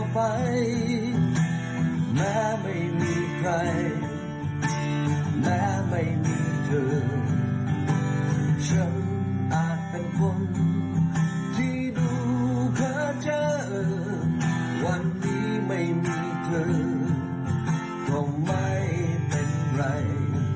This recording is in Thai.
พี่ดูเธอเจอวันนี้ไม่มีเธอก็ไม่เป็นไร